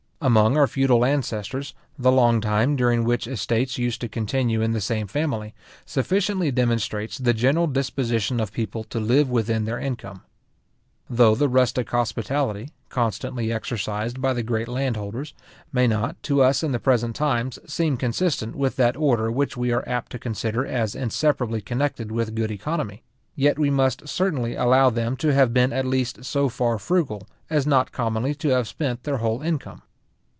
Among our feudal ancestors, the long time during which estates used to continue in the same family, sufficiently demonstrates the general disposition of people to live within their income. Though the rustic hospitality, constantly exercised by the great landholders, may not, to us in the present times, seem consistent with that order which we are apt to consider as inseparably connected with good economy; yet we must certainly allow them to have been at least so far frugal, as not commonly to have spent their whole income.